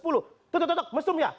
tututututuk mesum ya